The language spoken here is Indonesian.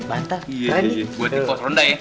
buat dikot rendah ya